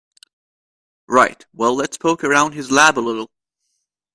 Right, well let's poke around his lab a little.